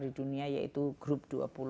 di dunia yaitu grup dua puluh